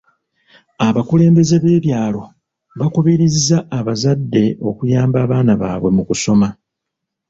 Abakulembeze b'ekyalo baakubirizza abazadde okuyamba abaana baabwe mu kusoma.